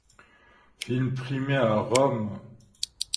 Film primé à Rome.